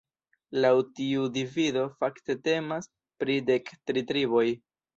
Laŭ tiu divido fakte temas pri dek tri triboj.